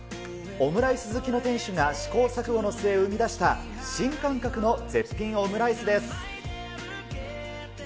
オムライス好きの店主が試行錯誤の末、生み出した新感覚の絶品オムライスです。